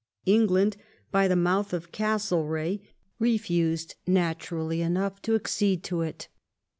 England, by the mouth of Lord Castlereagh, refused, naturally enough, to accede to it.